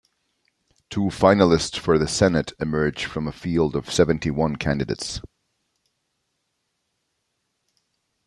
Two finalists for the Senate emerged from a field of seventy-one candidates.